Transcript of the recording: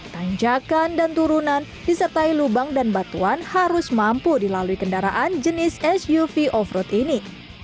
tanjakan dan turunan disertai lubang dan batuan harus mampu dilalui kendaraan jenis suv off road ini